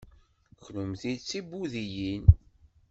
Kennemti d tibudiyin?